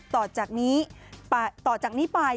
ต่อจากนี้ไป